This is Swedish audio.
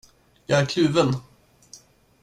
Jag är kluven.